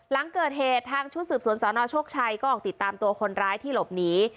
หลังเกิดเหตุทางชุดสืบสวนสนโชคชัยก็ออกติดตามตัวคนร้ายที่หลบหนี